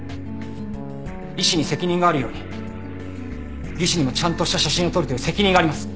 医師に責任があるように技師にもちゃんとした写真を撮るという責任があります。